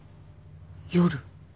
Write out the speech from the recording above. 夜？